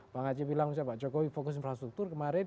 bang haji bilang misalnya pak jokowi fokus infrastruktur kemarin